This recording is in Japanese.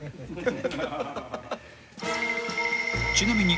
［ちなみに］